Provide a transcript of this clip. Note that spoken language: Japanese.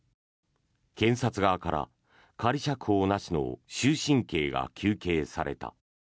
検察側から、仮釈放なしの終身刑が求刑された。